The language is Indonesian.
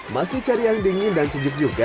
masih cari yang dingin dan sejuk juga